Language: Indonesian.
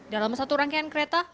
dalam satu rangkaian kereta